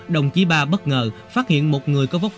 đồng chí ba bất ngờ phát hiện một người có vốc phẩm